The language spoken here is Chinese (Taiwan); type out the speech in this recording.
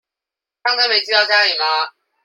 帳單沒寄到家裡嗎？